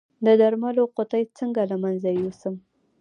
د درملو قطۍ څنګه له منځه یوسم؟